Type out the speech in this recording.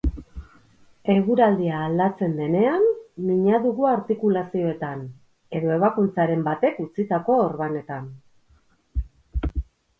Eguraldia aldatzen denean, mina dugu artikulazioetan, edo ebakuntzaren batek utzitako orbanetan.